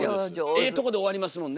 ええとこで終わりますもんね。